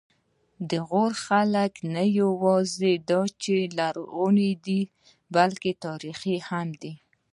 د غور خلک نه یواځې دا چې لرغوني دي، بلکې تاریخي هم دي.